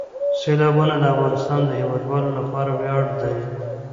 سیلابونه د افغانستان د هیوادوالو لپاره ویاړ دی.